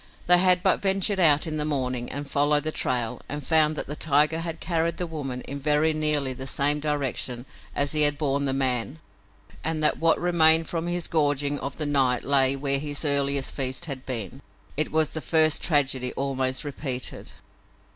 They had but ventured out in the morning and followed the trail and found that the tiger had carried the woman in very nearly the same direction as he had borne the man and that what remained from his gorging of the night lay where his earlier feast had been. It was the first tragedy almost repeated.